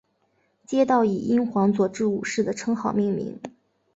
街道以英皇佐治五世的称号命名。